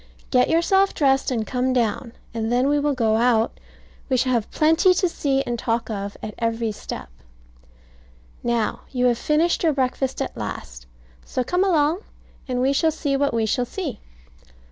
Get yourself dressed and come down, and then we will go out; we shall have plenty to see and talk of at every step. Now, you have finished your breakfast at last, so come along, and we shall see what we shall see.